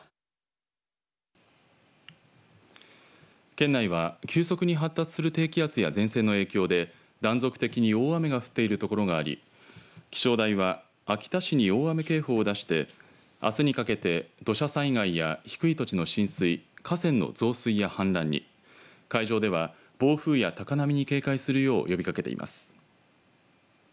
県内は急速に発達する低気圧や前線の影響で断続的に大雨が降っているところがあり気象台は秋田市に大雨警報を出してあすにかけて土砂災害や低い土地の浸水河川の増水や氾濫に海上では暴風や高波に警戒するよう呼びかけています。